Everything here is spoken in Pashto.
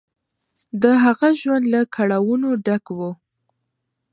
د هغه ژوند له کړاوونو ډک و.